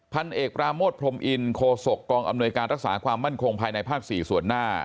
พันเอกปราโมทพรมอินโคศกกองอำนวยการรักษาความมั่นคงภายในภาค๔ส่วนหน้า